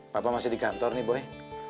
papa masih di kantor nih boy